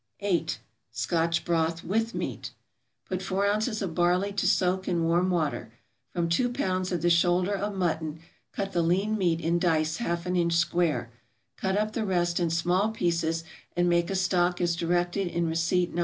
8. =Scotch Broth with Meat.= Put four ounces of barley to soak in warm water. From two pounds of the shoulder of mutton, cut the lean meat in dice half an inch square; cut up the rest in small pieces and make a stock as directed in receipt _No.